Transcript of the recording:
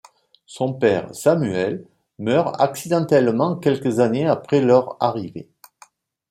Son père, Samuel, meurt accidentellement quelques années après leur arrivée.